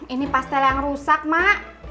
ini pastel yang rusak mak